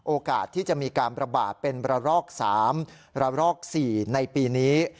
โอกาสที่จะมีการประบาดเป็นระลอก๓ระลอก๔ในปีนี้